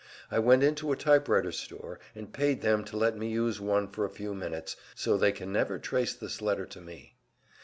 I went into a typewriter store, and paid them to let me use one for a few minutes, so they can never trace this letter to me.